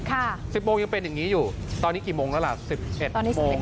สิบโมงยังเป็นอย่างนี้อยู่ตอนนี้กี่โมงแล้วล่ะสิบเอ็ดโมง